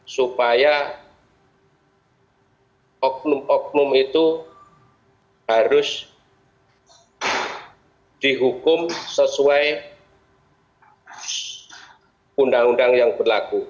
supaya oknum oknum itu harus dihukum sesuai undang undang yang berlaku